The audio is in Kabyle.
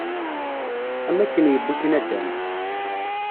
Am akken yewwi-k naddam.